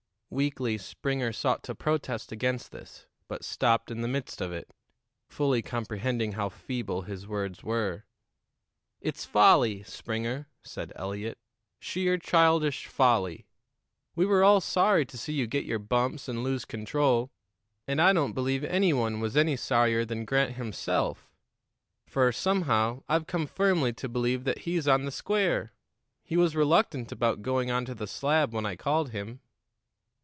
Weakly Springer sought to protest against this, but stopped in the midst of it, fully comprehending how feeble his words were. "It's folly, Springer," said Eliot, "sheer childish folly. We were all sorry to see you get your bumps and lose control, and I don't believe any one was any sorrier than Grant himself; for, somehow, I've come firmly to believe that he's on the square. He was reluctant about going on to the slab when I called him."